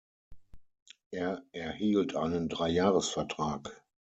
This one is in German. Er erhielt einen Dreijahresvertrag.